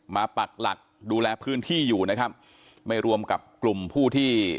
ปักหลักดูแลพื้นที่อยู่นะครับไม่รวมกับกลุ่มผู้ที่